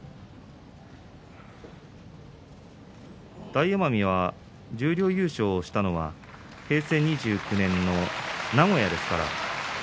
大奄美が十両優勝したのは平成２９年の名古屋でした。